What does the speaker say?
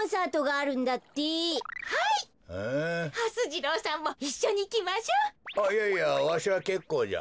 あっいやいやわしはけっこうじゃ。